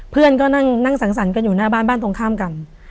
เพื่อนก็นั่งสังสรรค์กันอยู่หน้าบ้านบ้านตรงข้ามกัน